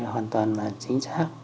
hoàn toàn là chính xác